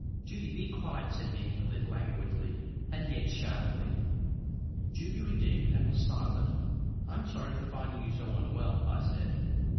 "Judy, be quiet," said the invalid, languidly and yet sharply. Judy reddened and was silent. "I am sorry to find you so unwell," I said.